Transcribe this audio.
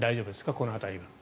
この辺りは。